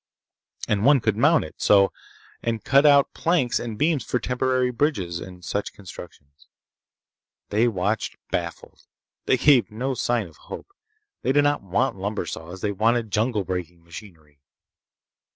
And one could mount it so—and cut out planks and beams for temporary bridges and such constructions. They watched, baffled. They gave no sign of hope. They did not want lumber saws. They wanted jungle breaking machinery.